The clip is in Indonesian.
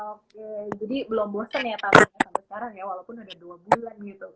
oke jadi belum bosen ya talinya sampai sekarang ya walaupun udah dua bulan gitu